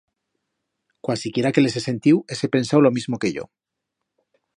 Cualsiquiera que l'hese sentiu, hese pensau lo mismo que yo.